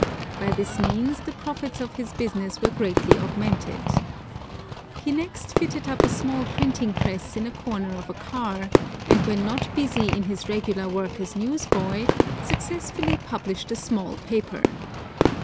By this means the profits of his business were greatly augmented. He next fitted up a small printing press in one corner of a car, and when not busy in his regular work as newsboy, successfully published a small paper.